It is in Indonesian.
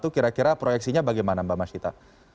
kira kira proyeksinya bagaimana mbak masita